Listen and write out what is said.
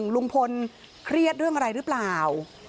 ลุงพลเครียดเรื่องอะไรหรือเปล่า